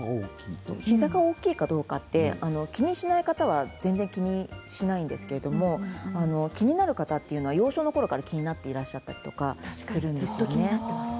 膝が大きいかどうか気にしない方は全然、気にしないんですけど気になる方は幼少のころから気になっていらっしゃったりするんですよね。